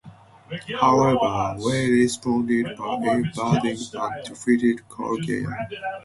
However, Wei responded by invading and defeated Goguryeo.